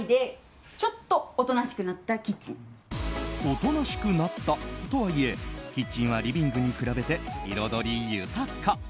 おとなしくなったとはいえキッチンはリビングに比べて彩り豊か。